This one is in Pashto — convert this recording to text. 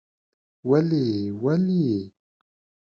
ولې؟ ولې؟؟؟ ….